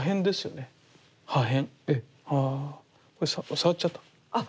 触っちゃった。